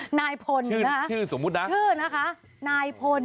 หน้าผลนะครับชื่อสมมตินะชื่อนะคะนายผล